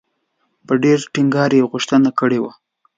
په ډېر ټینګار یې غوښتنه کړې وه.